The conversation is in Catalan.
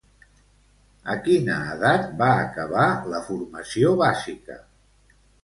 A quina edat va acabar la formació bàsica?